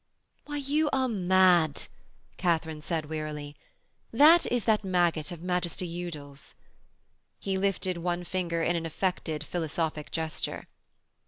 'Why, you are mad,' Katharine said wearily. 'This is that maggot of Magister Udal's.' He lifted one finger in an affected, philosophic gesture.